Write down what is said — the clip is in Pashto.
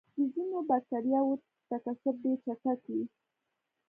د ځینو بکټریاوو تکثر ډېر چټک وي.